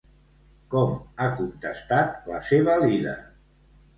Com ha contestat la seva líder?